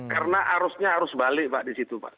karena arusnya harus balik pak di situ pak